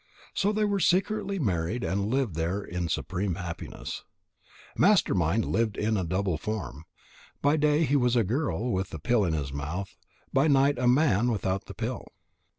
So they were secretly married and lived there in supreme happiness. Master mind lived in a double form. By day he was a girl with the pill in his mouth, by night a man without the pill.